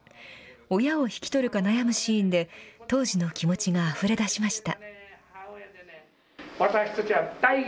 親を引き取るか悩むシーンで、当時の気持ちがあふれ出しました。